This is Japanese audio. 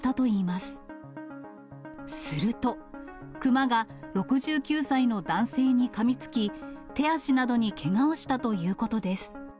すると、熊が６９歳の男性にかみつき、手足などにけがをしたということです。